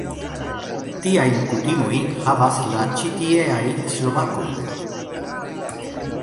Tiajn kutimojn havas la ĉi tieaj Slovakoj.